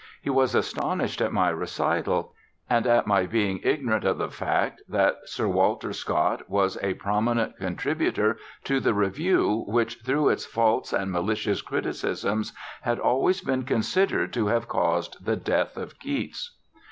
He was astonished at my recital, and at my being ignorant of the fact that _Sir Walter Scott was a prominent contributor to the Review which through its false and malicious criticisms had always been considered to have caused the death of Keats_.